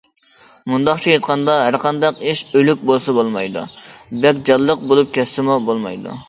مۇنداقچە ئېيتقاندا، ھەرقانداق ئىش ئۆلۈك بولسا بولمايدۇ، بەك جانلىق بولۇپ كەتسىمۇ بولمايدۇ.